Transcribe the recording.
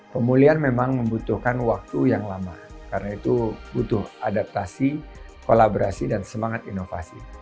pemulihan memang membutuhkan waktu yang lama karena itu butuh adaptasi kolaborasi dan semangat inovasi